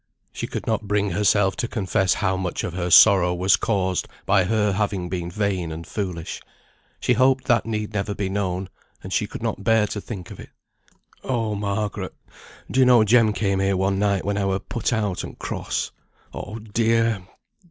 She could not bring herself to confess how much of her sorrow was caused by her having been vain and foolish; she hoped that need never be known, and she could not bear to think of it. "Oh, Margaret; do you know Jem came here one night when I were put out, and cross. Oh, dear!